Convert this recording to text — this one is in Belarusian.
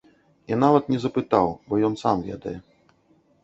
І нават не запытаў, бо ён сам ведае.